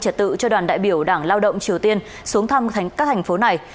trật tự cho đoàn đại biểu đảng lao động triều tiên xuống thăm các thành phố này